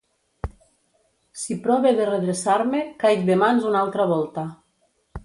Si prove de redreçar-me, caic de mans una altra volta.